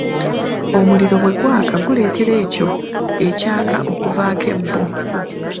Omuliro bwe gwaka guleetera ekyo ekyaka okuvaako evvu.